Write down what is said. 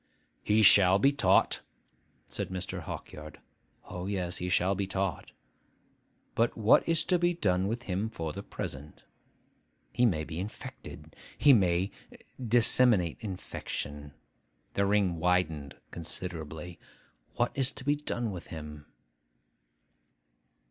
'He shall be taught,' said Mr. Hawkyard, '(O, yes, he shall be taught!) but what is to be done with him for the present? He may be infected. He may disseminate infection.' The ring widened considerably. 'What is to be done with him?